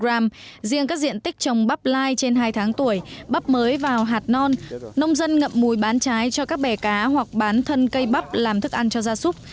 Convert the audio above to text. riêng các diện tích trồng bắp lai trên hai tháng tuổi bắp mới vào hạt non nông dân ngậm mùi bán trái cho các bè cá hoặc bán thân cây bắp làm thức ăn cho gia súc